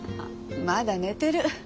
まだ寝てる。